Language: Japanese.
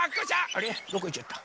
あれどこいっちゃった？